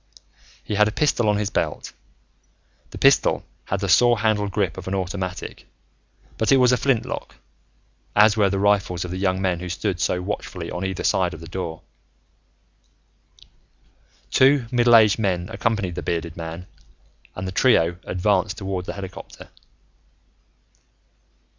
He had a pistol on his belt. The pistol had the saw handle grip of an automatic, but it was a flintlock, as were the rifles of the young men who stood so watchfully on either side of the door. Two middle aged men accompanied the bearded man and the trio advanced toward the helicopter.